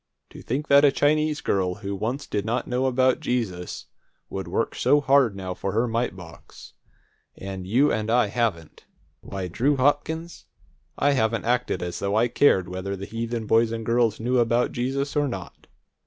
To think that a Chinese girl who once did not know about Jesus, would work so hard now for her mite box, and you and I haven't! Why, Drew Hopkins, I haven't acted as though I cared whether the heathen boys and girls knew about Jesus or not!